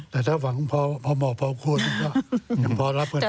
แต่ถ้าหวังพอเหมาะพอควรก็ยังพอรับกันได้